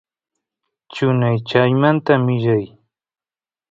chuñay chaymanta millay